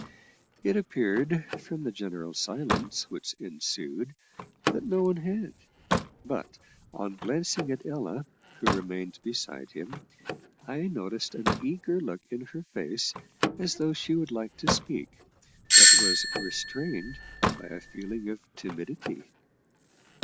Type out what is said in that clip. It appeared, from the general silence which ensued that no one had; but on glancing at Ella, who remained beside him, I noticed an eager look in her face, as though she would like to speak, but was restrained by a feeling of timidity.